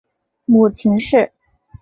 母秦氏。